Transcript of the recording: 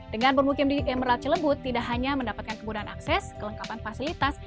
dengan bermukim di emerald cilebut tidak hanya mendapatkan kemudahan akses kelengkapan fasilitas